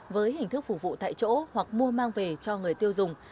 với hình thức phục vụ tại chỗ hoặc mua mang về cho người tiêu dùng